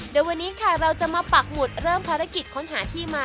โดยวันนี้ค่ะเราจะมาปักหมุดเริ่มภารกิจค้นหาที่มา